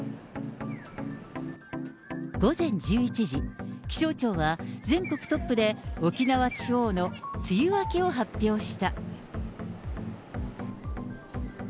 午前１１時、気象庁は、全国トップで、沖縄地方の梅雨明けを発表した。